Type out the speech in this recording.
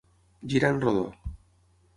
Girar en rodó.